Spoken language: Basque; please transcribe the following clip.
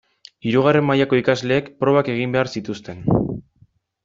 Hirugarren mailako ikasleek probak egin behar zituzten.